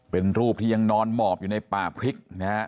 เป็นรูปที่ยังนอนหมอบอยู่ในป่าพริกนะฮะ